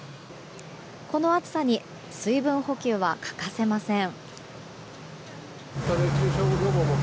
この暑さに水分補給は欠かせません。